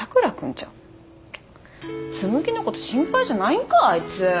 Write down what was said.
紬のこと心配じゃないんかあいつ。